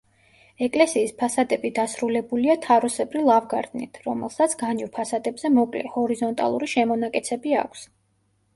ეკლესიის ფასადები დასრულებულია თაროსებრი ლავგარდნით, რომელსაც განივ ფასადებზე მოკლე, ჰორიზონტალური შემონაკეცები აქვს.